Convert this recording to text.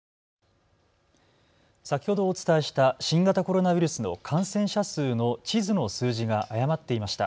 先ほどお伝えした新型コロナウイルスの感染者数の地図の数字が誤っていました。